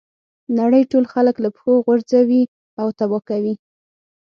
نړۍ ټول خلک له پښو غورځوي او تباه کوي.